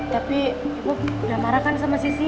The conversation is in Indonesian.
tapi udah marah kan sama sisi